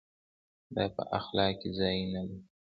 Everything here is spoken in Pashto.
دا په اخلاق کې ځای نه لري.